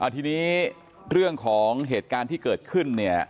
ทีนี้เรื่องของเหตุการณ์ที่เกิดขึ้นเนี่ย